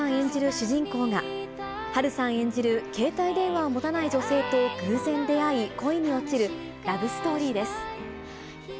主人公が、波瑠さん演じる携帯電話を持たない女性と偶然出会い、恋に落ちる、ラブストーリーです。